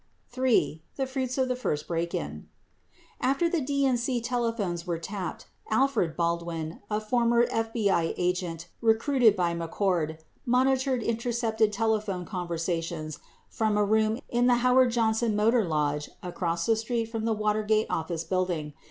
34 3. THE FRUITS OF THE FIRST BREAK IN After the DNC telephones were tapped, Alfred Baldwin, a former FBI agent recruited by McCord, monitored intercepted telephone conversations from a room in the Howard Johnson Motor Lodge across the street from the Watergate Office Building.